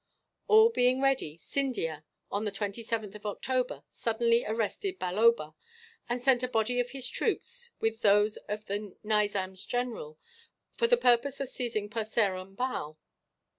All being ready, Scindia, on the 27th of October, suddenly arrested Balloba; and sent a body of his troops, with those of the Nizam's general, for the purpose of seizing Purseram Bhow.